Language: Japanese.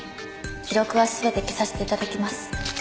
記録は全て消させて頂きます。